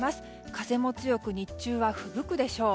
風も強く日中はふぶくでしょう。